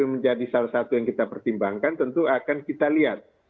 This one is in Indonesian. yang menjadi salah satu yang kita pertimbangkan tentu akan kita lihat